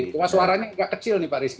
cuma suaranya agak kecil nih pak rizk